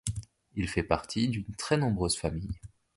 Il fait partie d'une très nombreuse famille.